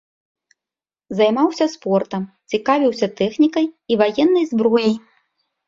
Займаўся спортам, цікавіўся тэхнікай і ваеннай зброяй.